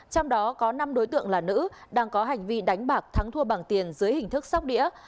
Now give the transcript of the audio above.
trong đó có năm đối tượng là nữ đang có hành vi đánh bạc thắng thua bằng tiền dưới hình thức sóc đĩa